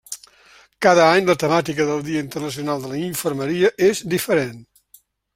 Cada any la temàtica del Dia Internacional de la Infermeria és diferent.